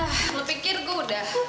ah lu pikir gue udah